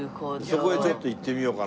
そこへちょっと行ってみようかな。